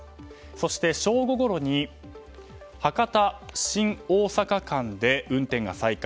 そして正午ごろに博多新大阪間で運転が再開。